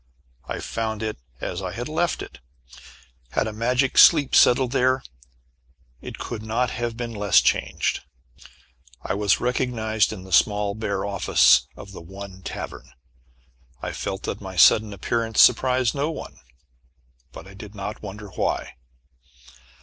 I found it as I had left it. Had a magic sleep settled there it could not have been less changed. I was recognized in the small bare office of the one tavern. I felt that my sudden appearance surprised no one. But I did not wonder why.